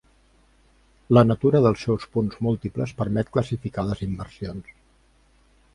La natura dels seus punts múltiples permet classificar les immersions.